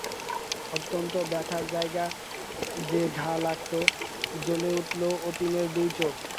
অত্যন্ত ব্যথার জায়গায় যেন ঘা লাগল, জ্বলে উঠল অতীনের দুই চোখ।